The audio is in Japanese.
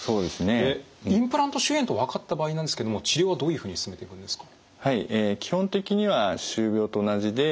インプラント周囲炎と分かった場合なんですけども治療はどういうふうに進めていくんですか？